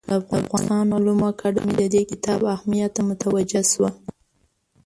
د افغانستان علومو اکاډمي د دې کتاب اهمیت ته متوجه شوه.